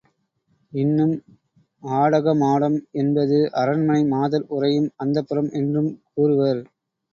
இன்னும் ஆடகமாடம் என்பது அரண்மனை மாதர் உறையும் அந்தப்புரம் என்றும் கூறுவர்.